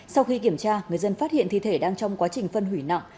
sau khi kiểm tra người dân phát hiện thi thể đang trong quá trình phân hủy nặng